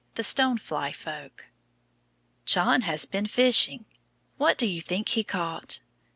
THE STONE FLY FOLK John has been fishing. What do you think he caught?